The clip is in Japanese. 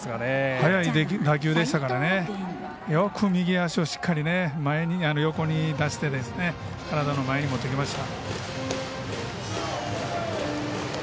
速い打球でしたからよく右足をしっかり横に出して体の前に持ってきました。